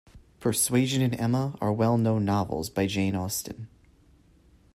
Persuasion and Emma are well-known novels by Jane Austen